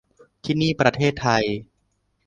ที่นี่ประเทศไทย